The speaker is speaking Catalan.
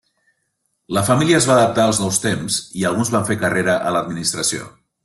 La família es va adaptar als nou temps i alguns van fer carrera a l'administració.